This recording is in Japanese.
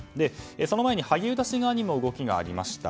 その前に、萩生田氏側にも動きがありました。